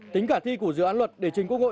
tính cả thi của dự án luật để chính quốc hội